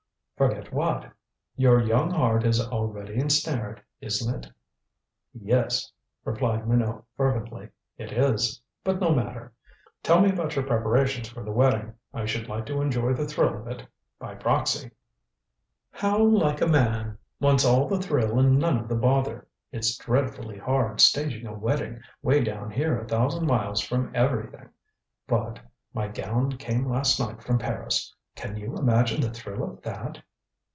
"Forget what?" "Your young heart is already ensnared, isn't it?" "Yes," replied Minot fervently. "It is. But no matter. Tell me about your preparations for the wedding. I should like to enjoy the thrill of it by proxy." "How like a man wants all the thrill and none of the bother. It's dreadfully hard staging a wedding, way down here a thousand miles from everything. But my gown came last night from Paris. Can you imagine the thrill of that!"